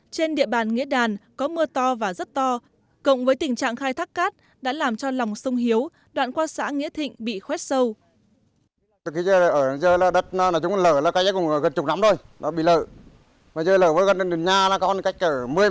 trên địa bàn nghĩa đàn có mưa to và rất to cộng với tình trạng khai thác cát đã làm cho lòng sông hiếu đoạn qua xã nghĩa thịnh bị khoét sâu